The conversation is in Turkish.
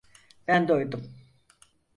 Ben doydum.